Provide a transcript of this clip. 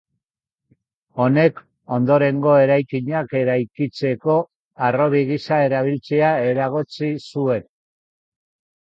Honek, ondorengo eraikinak eraikitzeko harrobi gisa erabiltzea eragotzi zuen.